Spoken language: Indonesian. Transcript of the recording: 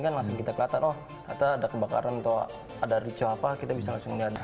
kan langsung kita kelihatan oh kata ada kebakaran atau ada ricau apa kita bisa langsung lihat